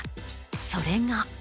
それが。